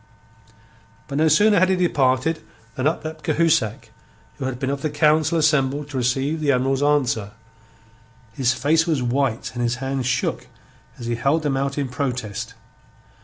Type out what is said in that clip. But no sooner had he departed than up leapt Cahusac, who had been of the council assembled to receive the Admiral's answer. His face was white and his hands shook as he held them out in protest.